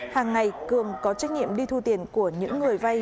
hàng ngày cường có trách nhiệm đi thu tiền của những người vay